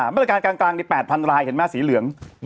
มาตรการกลางใน๘๐๐รายเห็นไหมสีเหลือง